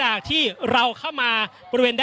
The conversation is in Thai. อย่างที่บอกไปว่าเรายังยึดในเรื่องของข้อ